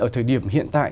ở thời điểm hiện tại